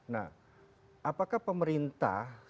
nah apakah pemerintah